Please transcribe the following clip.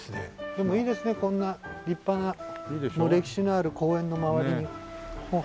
でもいいですねこんな立派な歴史のある公園の周りに。